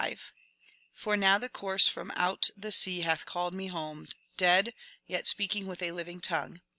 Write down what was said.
[For now the corse from oat the sea hath called me home,] Dead, (yet) speaking with a living tongue."